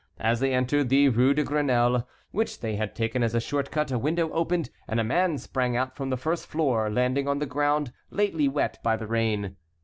As they entered the Rue de Grenelle, which they had taken as a short cut, a window opened and a man sprang out from the first floor, landing on the ground lately wet by the rain.